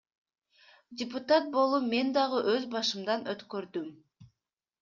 Депутат болуп мен дагы өз башымдан өткөрдүм.